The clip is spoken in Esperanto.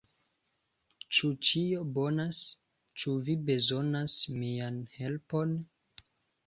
Ĉu ĉio bonas? Ĉu vi bezonas mian helpon?